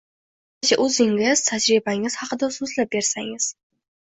Marhamat, qisqacha oʻzingiz, tajribangiz haqida so'zlab bersangiz.